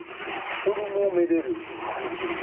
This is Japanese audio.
フォルムをめでる楽しみ。